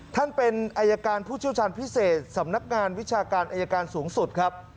ท่านเป็นอายการผู้เชี่ยวชาญพิเศษสำนักงานวิชาการอายการสูงสุดครับ